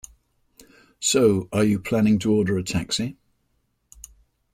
So, are you planning to order a taxi?